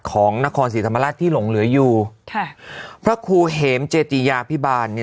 ของนครศรีธรรมราชที่หลงเหลืออยู่ค่ะพระครูเหมเจติยาพิบาล